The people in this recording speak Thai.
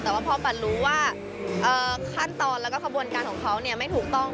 แต่ว่าพ่อปันรู้ว่าขั้นตอนแล้วก็ขบวนการของเขาไม่ถูกต้อง